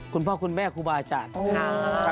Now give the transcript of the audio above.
คุณพ่อคุณแม่ครูบาอาจารย์